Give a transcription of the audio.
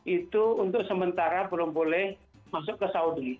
itu untuk sementara belum boleh masuk ke saudi